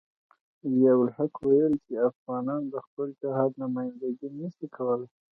ضیاء الحق ویل چې افغانان د خپل جهاد نمايندګي نشي کولای.